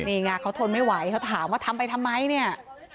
นี่ไงเขาทนไม่ไหวเขาถามว่าทำไปทำไมเนี่ย